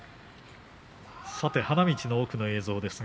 花道の奥の映像です。